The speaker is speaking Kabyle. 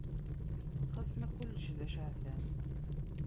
Xas ma kullec d aceɛtan.